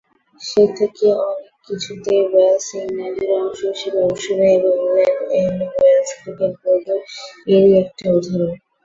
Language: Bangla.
সেই থেকে অনেক কিছুতেই ওয়েলস ইংল্যান্ডের অংশ হিসেবে অংশ নেয় এবং ইংল্যান্ড এন্ড ওয়েলস ক্রিকেট বোর্ড-ও এরই একটা উদাহরণ।